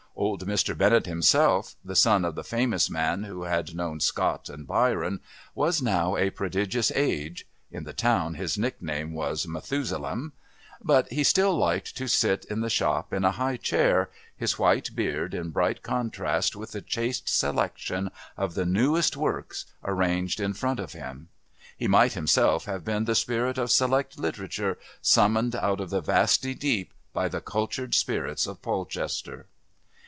Old Mr. Bennett himself, the son of the famous man who had known Scott and Byron, was now a prodigious age (in the town his nickname was Methusalem), but he still liked to sit in the shop in a high chair, his white beard in bright contrast with the chaste selection of the newest works arranged in front of him. He might himself have been the Spirit of Select Literature summoned out of the vasty deep by the Cultured Spirits of Polchester.